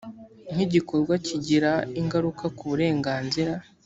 nk igikorwa kigira ingaruka ku burenganzira